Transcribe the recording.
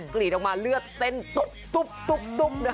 กรีดออกมาเลือดเต้นตุ๊บ